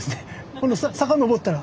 この坂上ったら。